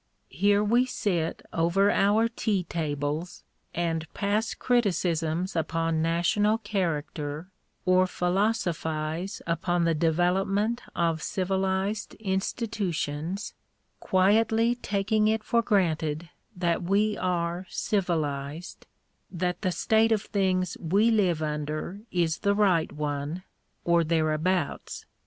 Here we sit over cur tea tables, and pass criticisms upon national character, or philosophize upon the development of civilized institutions, quietly taking it for granted that we are civilized — that the state of things we live under is the right one, or thereabouts.